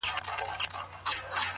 ځكه انجوني وايي له خالو سره راوتي يــو.